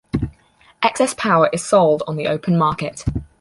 Excess power is sold on the open market.